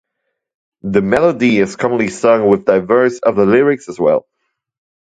The melody is commonly sung with diverse other lyrics as well.